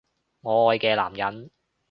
我愛嘅男人